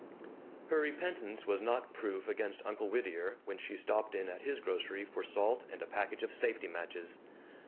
Her repentance was not proof against Uncle Whittier when she stopped in at his grocery for salt and a package of safety matches.